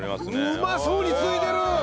うまそうについでる！